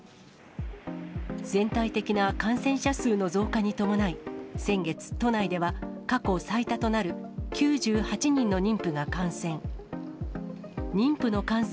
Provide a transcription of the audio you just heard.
全体的な感染者数の増加に伴い、先月、都内では過去最多となる、９８人の妊婦が感染。